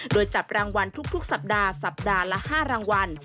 โดยจับรางวัลทุกสัปดาห์สัปดาห์ละ๕รางวัล